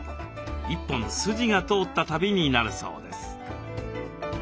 一本筋が通った旅になるそうです。